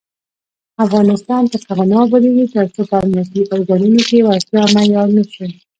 افغانستان تر هغو نه ابادیږي، ترڅو په امنیتي ارګانونو کې وړتیا معیار نشي.